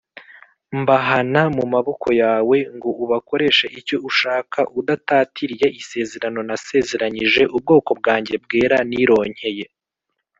mbahana mu maboko yawe ngo ubakoreshe icyo ushaka udatatiriye isezerano nasezeranyije ubwoko bwanjye bwera nironkeye.